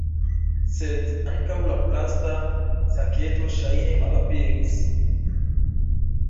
Sed ankaŭ la plasta saketo ŝajne malaperis.